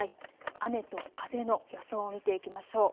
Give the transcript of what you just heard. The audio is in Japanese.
雨と風の予想を見ていきましょう。